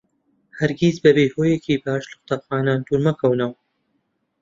هەرگیز بەبێ هۆیەکی باش لە قوتابخانە دوور مەکەونەوە.